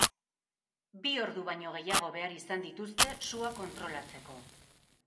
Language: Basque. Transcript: Bi ordu baino gehiago behar izan dituzte sua kontrolatzeko.